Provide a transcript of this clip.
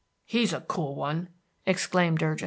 "He's a cool one!" exclaimed Durgin.